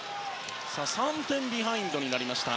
３点ビハインドになりました。